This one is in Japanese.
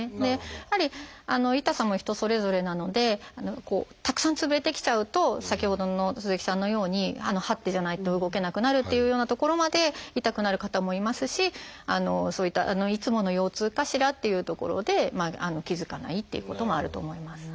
やはり痛さも人それぞれなのでたくさんつぶれてきちゃうと先ほどの鈴木さんのようにはってじゃないと動けなくなるっていうようなところまで痛くなる方もいますしそういったいつもの腰痛かしらっていうところで気付かないっていうこともあると思います。